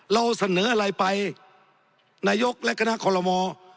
เราเสนออะไรไปนายกและคณะคอลโลมอร์